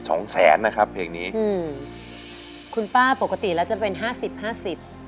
สองแสนนะครับเพลงนี้อืมคุณป้าปกติแล้วจะเป็นห้าสิบห้าสิบ